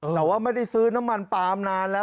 แต่ว่าไม่ได้ซื้อน้ำมันปลามนานแล้ว